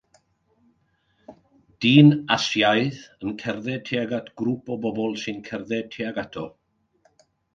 Dyn Asiaidd yn cerdded tuag at grŵp o bobl sy'n cerdded tuag ato.